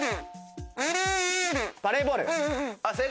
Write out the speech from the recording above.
バレーボール！